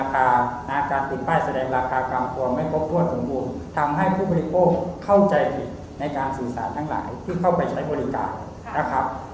การติดป้ายแสดงราคากลางตัวไม่ครบถ้วนสมบูรณ์ทำให้ผู้บริโภคเข้าใจผิดในการสื่อสารทั้งหลายที่เข้าไปใช้บริการนะครับ